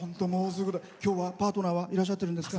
今日、パートナーはいらっしゃってるんですか？